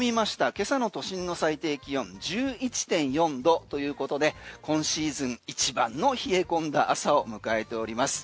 今朝の都心の最低気温１１．４度ということで今シーズン一番の冷え込んだ朝を迎えております。